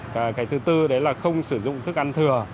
và cái thứ tư đấy là không sử dụng thức ăn thừa